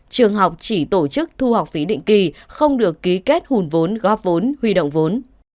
trường học chỉ tổ chức thu học phí định kỳ không được ký kết hùn vốn góp vốn huy động vốn